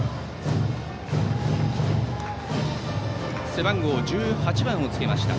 背番号１８番をつけました。